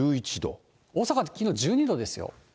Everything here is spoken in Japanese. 大阪、きのう１２度ですよ。